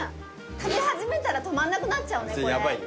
食べ始めたら止まんなくなっちゃうねこれ。